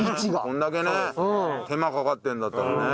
これだけね手間かかってるんだったらね。